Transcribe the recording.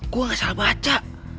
gua gak salah baca